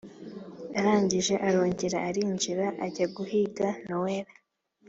arangije arongera arinjira ajyaguhiga noella.